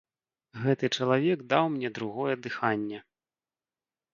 Гэты чалавек даў мне другое дыханне.